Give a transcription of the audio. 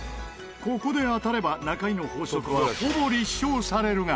ここで当たれば中井の法則はほぼ立証されるが。